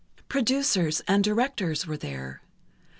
Producers and directors were there.